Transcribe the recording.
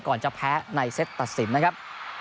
จะแพ้ในเซตตัดสินนะครับ